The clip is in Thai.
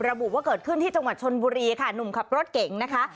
ระบุว่าเกิดขึ้นที่จังหวัดชนบุรีค่ะหนุ่มขับรถเก่งนะคะ